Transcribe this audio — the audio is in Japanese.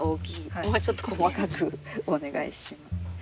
もうちょっと細かくお願いします。